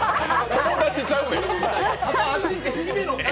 友達ちゃうねん。